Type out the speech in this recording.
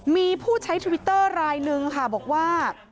มีผู้ใช้ทวิตเตอร์รายนึงค่ะบอกว่า